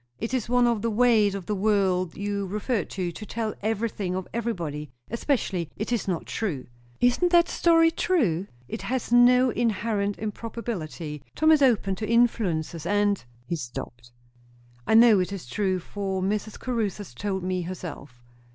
It is one of the 'ways of the world' you referred to, to tell everything of everybody, especially when it is not true." "Isn't that story true?" "It has no inherent improbability. Tom is open to influences, and " He stopped. "I know it is true; for Mrs. Caruthers told me herself."